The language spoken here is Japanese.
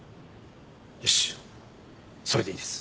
よしっそれでいいです。